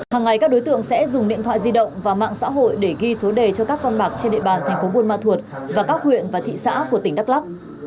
hàng ngày các đối tượng sẽ dùng điện thoại di động và mạng xã hội để ghi số đề cho các con bạc trên địa bàn thành phố buôn ma thuột và các huyện và thị xã của tỉnh đắk lắc